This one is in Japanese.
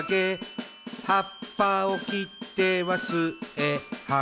「葉っぱを切っては巣へはこぶ」